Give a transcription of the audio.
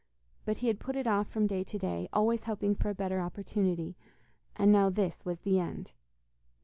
But he had put it off from day to day, hoping always for a better opportunity, and now this was the end!